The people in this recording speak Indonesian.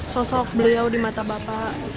sosok beliau di mata bapak